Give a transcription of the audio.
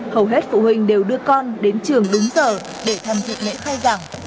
hầu hết phụ huynh đều đưa con đến trường đúng giờ để tham dự lễ khai giảng